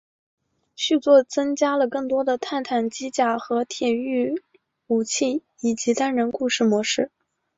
续作增加了更多的泰坦机甲和铁驭武器以及单人故事模式。